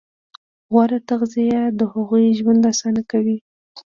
غوره تغذیه د هغوی ژوند اسانه کوي.